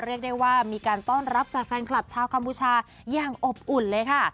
เรียกได้ว่ามีการต้อนรับจากแฟนคลับชาวกัมพูชาอย่างอบอุ่นเลยค่ะ